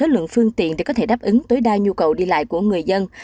lượng phương tiện để có thể đáp ứng tối đa nhu cầu đi lại của người dân